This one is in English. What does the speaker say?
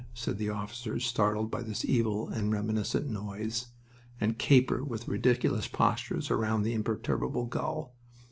said officers startled by this evil and reminiscent noise and caper with ridiculous postures round the imperturbable gull...